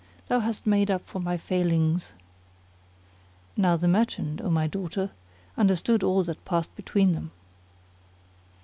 [FN#29] thou hast made up for my failings." (Now[FN#30] the merchant, O my daughter, understood all that passed between them.)